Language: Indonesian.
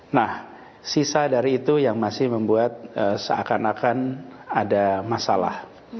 nah sisa dari itu yang masih membuat seakan akan ada masalah